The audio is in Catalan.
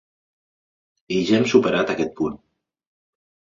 I ja hem superat aquest punt.